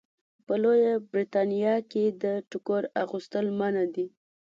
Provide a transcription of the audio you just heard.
په لویه برېتانیا کې د ټوکر اغوستل منع دي.